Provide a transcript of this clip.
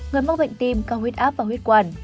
người mắc bệnh tim cao huyết áp và huyết quản